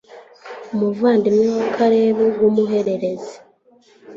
umuvandimwe wa kelebu w'umuhererezi